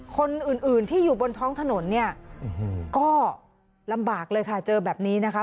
คนอื่นอื่นที่อยู่บนท้องถนนเนี่ยก็ลำบากเลยค่ะเจอแบบนี้นะคะ